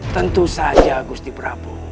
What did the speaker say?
tentu saja gusti prabu